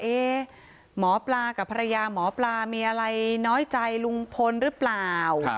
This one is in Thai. หมอปลากับภรรยาหมอปลามีอะไรน้อยใจลุงพลหรือเปล่า